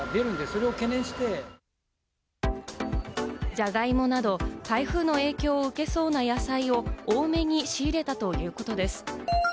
ジャガイモなど、台風の影響を受けそうな野菜を多めに仕入れたということです。